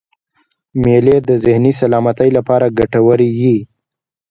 مېلې د ذهني سلامتۍ له پاره ګټوري يي.